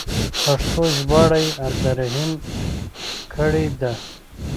پښتو ژباړه یې عبدالرحیم کړې ده.